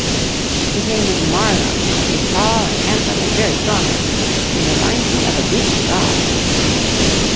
"His name is Marlowe. He's tall and handsome and very strong looking. He reminds me of a Greek god."